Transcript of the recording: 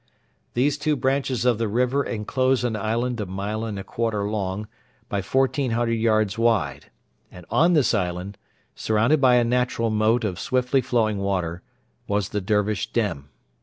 These two branches of the river enclose an island a mile and a quarter long by 1,400 yards wide, and on this island, surrounded by a natural moat of swiftly flowing water, was the Dervish dem.